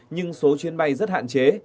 nhưng số chuyến bay rất hạn chế